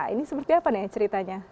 ini seperti apa nih ceritanya